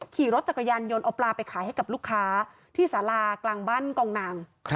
ขี่รถจักรยานยนต์เอาปลาไปขายให้กับลูกค้าที่สารากลางบ้านกองนาง